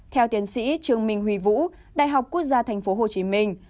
theo tiến sĩ trương minh huy vũ đại học quốc gia thành phố hồ chí minh